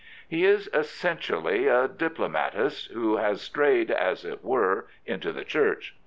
He is essentially a diplomatist who has strayed, as it were, into the Church.